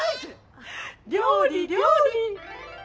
料理料理。